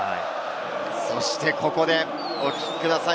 そして、ここでお聞きください。